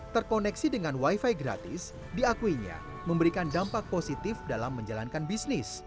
terkoneksi dengan wifi gratis diakuinya memberikan dampak positif dalam menjalankan bisnis